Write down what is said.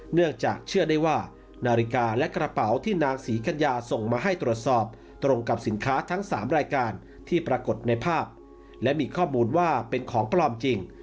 เนื่องจากเชื่อได้ว่านาฬิกาและกระเป๋าที่นางศรีกัญญาส่งมาให้ตรวจสอบตรงกับสินค้าทั้ง๓รายการที่ปรากฏในภาพและมีข้อมูลว่าเป็นของปลอมจริง